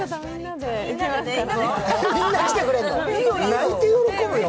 泣いて喜ぶよ。